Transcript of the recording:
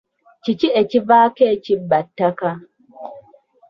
Kiki ekivaako ekibba ttaka?